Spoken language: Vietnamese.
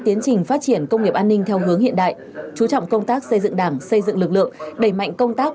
tiến trình phát triển công nghiệp an ninh theo hướng hiện đại chú trọng công tác xây dựng đảng xây dựng lực lượng đẩy mạnh công tác